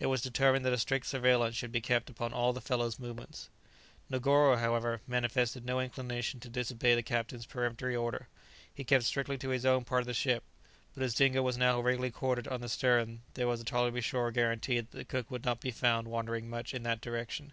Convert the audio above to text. It was determined that a strict surveillance should be kept upon all the fellow's movements. Negoro, however, manifested no inclination to disobey the captain's peremptory order; he kept strictly to his own part of the ship; but as Dingo was now regularly quartered on the stern, there was a tolerably sure guarantee that the cook would not be found wandering much in that direction.